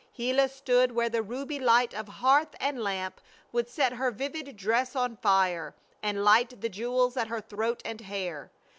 Gila stood where the ruby light of hearth and lamp would set her vivid dress on fire and light the jewels at her throat and hair.